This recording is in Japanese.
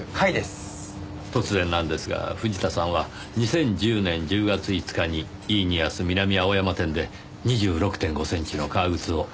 突然なんですが藤田さんは２０１０年１０月５日にイーニアス南青山店で２６．５センチの革靴を購入されてますね？